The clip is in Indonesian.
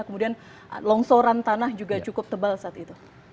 kemudian longsoran tanah juga cukup tebal saat itu